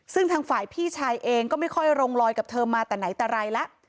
ซึ่งทางฝ่ายพี่ชายเองก็ไม่ค่อยลงลอยกับเธอมาแต่ไหนแต่ไรแล้ว